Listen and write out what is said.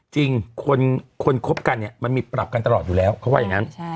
จริงคนคบกันเนี่ยมันมีปรับกันตลอดอยู่แล้วเขาว่าอย่างนั้น